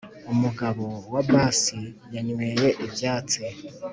umugabo wa bass yanyweye ibyatsi